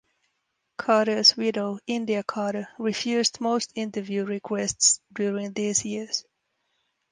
Carter's widow, India Carter, refused most interview requests during these years.